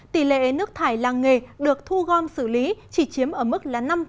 tỷ lệ nước thải làng nghề được thu gom xử lý chỉ chiếm ở mức năm hai